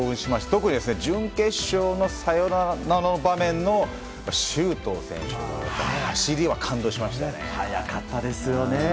特に、準決勝のサヨナラの場面の周東選手の走りは速かったですよね。